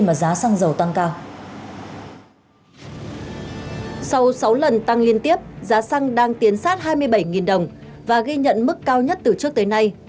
sau sáu lần tăng liên tiếp giá xăng đang tiến sát hai mươi bảy đồng và ghi nhận mức cao nhất từ trước tới nay